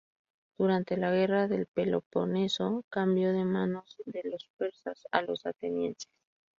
Durante la Guerra del Peloponeso, cambió de manos de los persas a los atenienses.